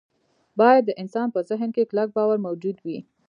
باید د انسان په ذهن کې کلک باور موجود وي